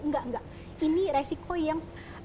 enggak enggak ini resiko yang